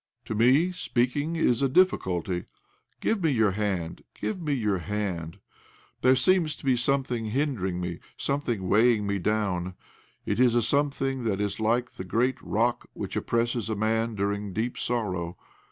To me, speaking is a difficulty. Give me your hand, give me your hand ! There seems to be something hindering me, some thing weighing me down. It is a some thing that is like the great rock which oppresses a man during deep sorrow.